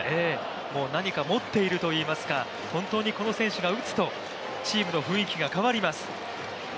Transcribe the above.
もう何か持っているといいますか本当にこの選手が打つとチームの雰囲気が変わります。